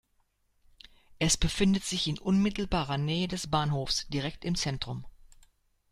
Es befindet sich in unmittelbarer Nähe des Bahnhofes direkt im Zentrum.